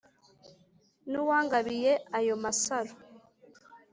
N'uwangabiye ayo masaro